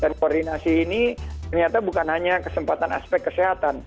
dan koordinasi ini ternyata bukan hanya kesempatan aspek kesehatan